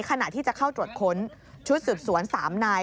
ขณะที่จะเข้าตรวจค้นชุดสืบสวน๓นาย